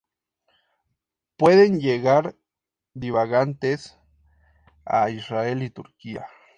Pueden llegar divagantes a Israel y Turquía.